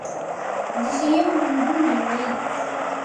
அதிசயம் ஒன்றும் இல்லை!